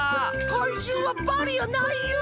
かいじゅうはバリアーないユー！